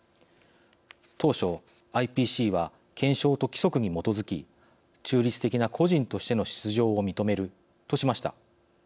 当初、ＩＰＣは憲章と規則に基づき中立的な個人としての出場を認めるとしました。